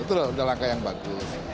itu sudah langkah yang bagus